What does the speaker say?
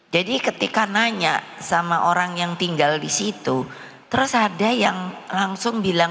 jadi ketika nanya sama orang yang tinggal di situ terus ada yang langsung bilang